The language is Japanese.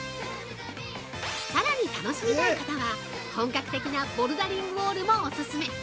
さらに楽しみたい方は、本格的なボルダリングウォールもオススメ。